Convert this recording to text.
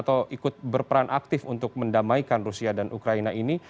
atau ikut berperan aktif untuk mendamaikan rusia dan ukraina ini